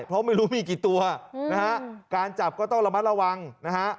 เพราะไม่รู้มีกี่ตัวนะฮะการจับก็ต้องระมัดระวังนะฮะ